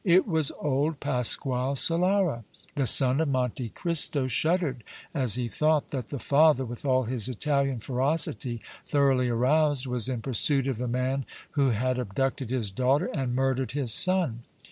It was old Pasquale Solara! The son of Monte Cristo shuddered as he thought that the father, with all his Italian ferocity thoroughly aroused, was in pursuit of the man who had abducted his daughter and murdered his son.